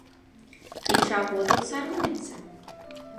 І чаго тут саромецца?